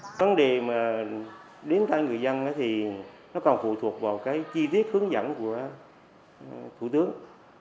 cái vấn đề mà đến tay người dân thì nó còn phụ thuộc vào cái chi tiết hướng dẫn của thủ tướng